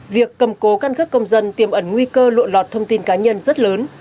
việc cầm cố căn cước công dân tiềm ẩn nguy cơ lộn lọt thông tin cá nhân rất lớn